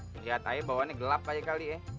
ngelihat aja bawahnya gelap aja kali ye